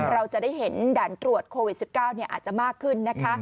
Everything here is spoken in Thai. เราจะได้เห็นด่านตรวจโควิด๑๙อาจจะมากขึ้นนะคะ